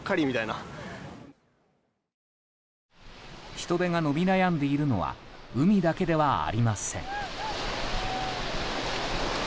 人出が伸び悩んでいるのは海だけではありません。